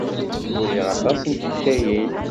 Uriɣ aṭas n teḥkayin.